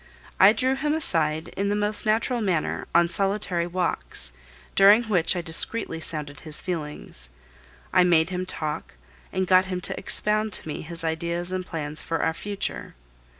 I drew him aside in the most natural manner on solitary walks, during which I discreetly sounded his feelings. I made him talk, and got him to expound to me his ideas and plans for our future.